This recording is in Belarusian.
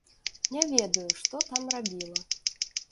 Не ведаю, што там рабіла.